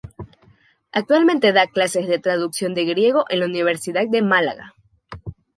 Actualmente da clases de traducción de griego en la Universidad de Málaga.